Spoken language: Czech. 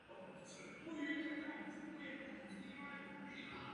Kaple nemá okna.